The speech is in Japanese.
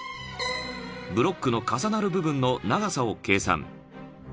［ブロックの重なる部分の長さを計算］